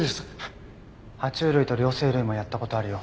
爬虫類と両生類もやった事あるよ。